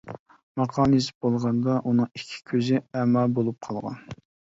ماقالىنى يېزىپ بولغاندا، ئۇنىڭ ئىككى كۆزى ئەما بولۇپ قالغان.